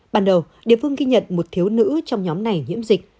ban đầu địa phương ghi nhận một thiếu nữ trong nhóm này nhiễm dịch